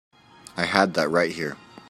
I had that right here.